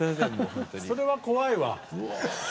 それは怖いわ。